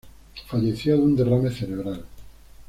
Falleció de un derrame cerebral.